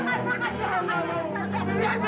tahu diri lo makan